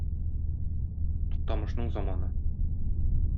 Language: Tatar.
Туктамышның заманы!